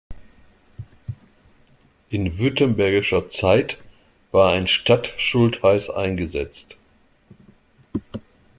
In württembergischer Zeit war ein Stadtschultheiß eingesetzt.